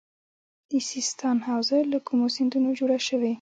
د سیستان حوزه له کومو سیندونو جوړه شوې؟